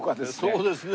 そうですね。